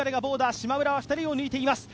しまむらは２人を抜いています。